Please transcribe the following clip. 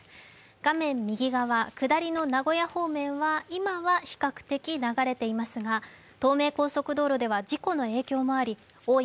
画面右側、下りの名古屋方面は今は比較的流れていますが、東名高速道路では事故の影響もあり大井